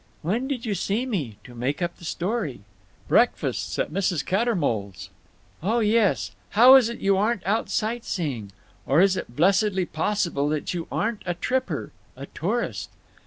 "When did you see me—to make up the story?" "Breakfasts. At Mrs. Cattermole's." "Oh yes…. How is it you aren't out sight seeing? Or is it blessedly possible that you aren't a tripper—a tourist?"